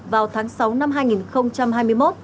vào tháng sáu năm hai nghìn hai mươi một